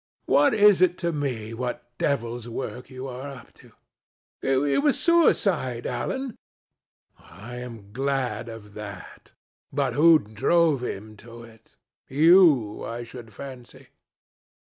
What is it to me what devil's work you are up to?" "It was suicide, Alan." "I am glad of that. But who drove him to it? You, I should fancy."